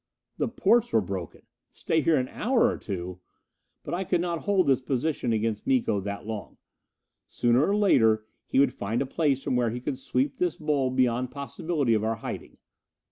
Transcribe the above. _" The portes were broken! Stay here an hour or two! But I could not hold this position against Miko that long! Sooner or later he would find a place from where he could sweep this bowl beyond possibility of our hiding.